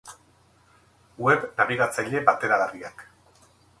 Web-nabigatzaile bateragarriak